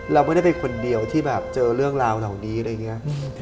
เราไม่ได้เป็นคนเดียวที่แบบเจอเรื่องราวเหล่านี้อะไรอย่างนี้